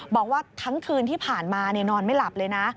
บอกว่าทั้งคืนที่ผ่านมานอนไม่หลับเลยนะ